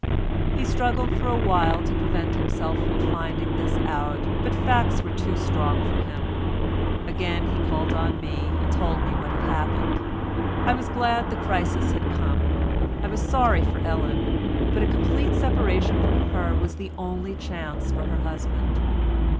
He struggled for a while to prevent himself from finding this out, but facts were too strong for him. Again he called on me and told me what had happened. I was glad the crisis had come; I was sorry for Ellen, but a complete separation from her was the only chance for her husband.